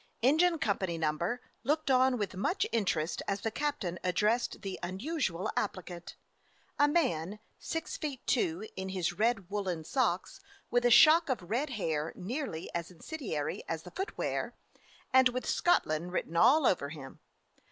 Engine Company No. — looked on with much interest as the captain addressed the un usual applicant: a man six feet two in his red woolen socks, with a shock of red hair nearly as incendiary as the footwear, and with Scot land written all over him.